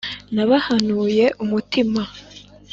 Nabahanuye umutima